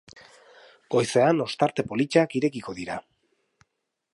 Goizean ostarte politak irekiko dira.